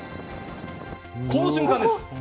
この瞬間です！